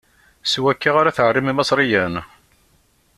S wakka ara tɛerrim Imaṣriyen!